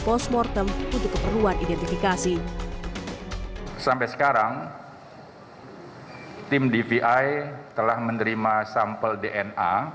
post mortem untuk keperluan identifikasi sampai sekarang tim dvi telah menerima sampel dna